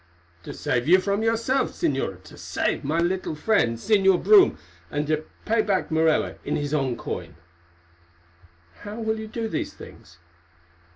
"To save you from yourself, Señora, to save my friend the Señor Brome, and to pay back Morella in his own coin." "How will you do these things?"